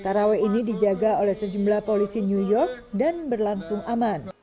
taraweh ini dijaga oleh sejumlah polisi new york dan berlangsung aman